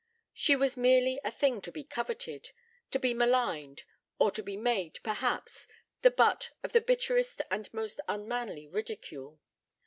She was merely a thing to be coveted, to be maligned, or to be made, perhaps, the butt of the bitterest and most unmanly ridicule.